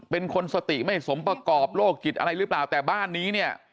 เป็นคนสติไม่สมประกอบโรคจิตอะไรหรือเปล่าแต่บ้านนี้เนี่ย